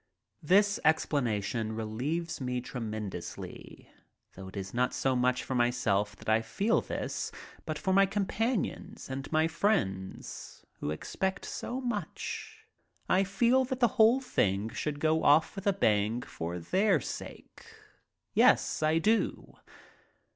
This explanation relieves me tremendously, though it is not so much for myself that I feel this, but for my com panions and my friends, who expect so much. I feel that the whole thing should go off with a bang for their sake. Yes, I do.